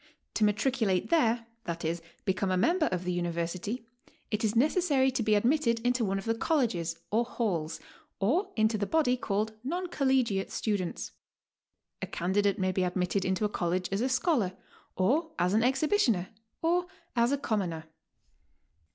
To matriculate there, i. e., become a member of the University, it is necessary to be admitted into one of the Colleges or Flails, or into the body called Non Collegiate Students; a candidate may be admitted into a College as a scholar, or as an exhibitioner, or as a com moner.